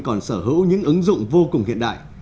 còn sở hữu những ứng dụng vô cùng hiện đại